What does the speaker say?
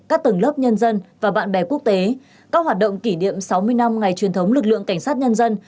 các tầng lớp nhân dân và bạn bè quốc tế các hoạt động kỷ niệm sáu mươi năm ngày truyền thống lực lượng cảnh sát nhân dân